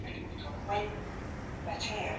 اوس څرګنده ده چې انسانان د لمر وړانګو ته اړتیا لري.